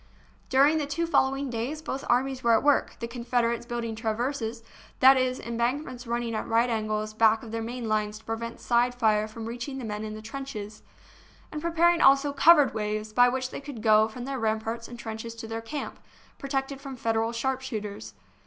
During the two following days both armies were at work, the Confederates building " traverses "— that is, embankments running at right angles back of their main lines to prevent side fire from reach ing the men in the trenches — and preparing also " covered ways " by which they could go from their ramparts and trenches to their camp, protected from Federal sharpshooters.